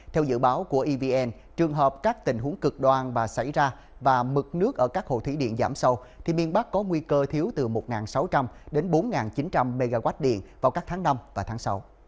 theo dự báo của evn trường hợp các tình huống cực đoan và xảy ra và mực nước ở các hồ thủy điện giảm sâu thì miền bắc có nguy cơ thiếu từ một sáu trăm linh đến bốn chín trăm linh mw điện vào các tháng năm và tháng sáu